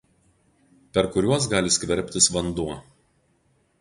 per kuriuos gali skverbtis vanduo